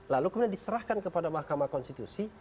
lalu kemudian diserahkan kepada mahkamah konstitusi